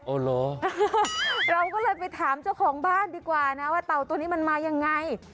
เหรอเราก็เลยไปถามเจ้าของบ้านดีกว่านะว่าเต่าตัวนี้มันมายังไง